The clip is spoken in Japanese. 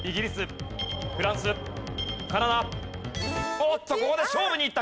おっとここで勝負にいった。